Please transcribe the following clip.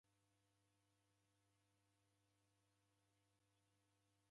Mkadiw'esera difunya chaw'ucha